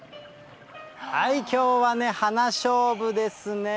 きょうはね、花しょうぶですね。